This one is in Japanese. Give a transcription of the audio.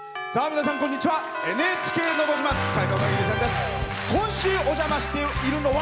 皆さん、こんにちは。